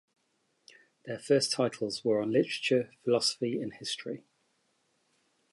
Their first titles were on literature, philosophy and history.